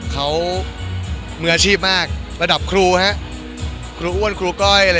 ของมันเมืออาชีพระดับครู